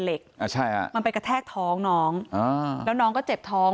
อ่าใช่ฮะมันไปกระแทกท้องน้องอ่าแล้วน้องก็เจ็บท้อง